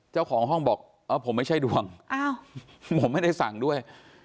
เจ้าของห้องบอกผมไม่ใช่ดวงผมไม่ได้สั่งด้วย